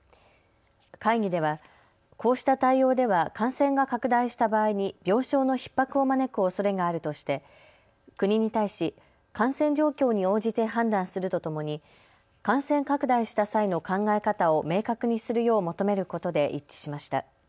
会議ではこうした対応では感染が拡大した場合に病床のひっ迫を招くおそれがあるとして国に対し感染状況に応じて判断するとともに感染拡大した際の考え方を明確にするよう求めることで一致しました。